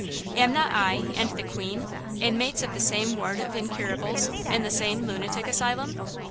Am not I and the 'queen' inmates of the same ward of incurables, in the same lunatic asylum?"